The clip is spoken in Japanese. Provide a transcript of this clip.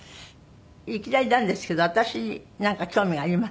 いきなりなんですけど私になんか興味があります？